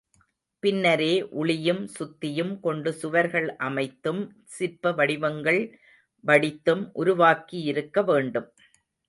பின்னரே உளியும் சுத்தியும் கொண்டு சுவர்கள் அமைத்தும் சிற்ப வடிவங்கள் வடித்தும் உருவாக்கியிருக்க வேண்டும்.